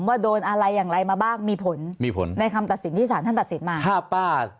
ว่าโดนอะไรอย่างไรมาบ้างมีผลในคำตัดสินที่ศาลท่านตัดสินมา